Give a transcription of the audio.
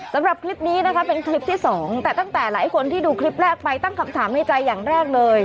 สำหรับคลิปนี้นะคะเป็นคลิปที่สองแต่ตั้งแต่หลายคนที่ดูคลิปแรกไปตั้งคำถามในใจอย่างแรกเลย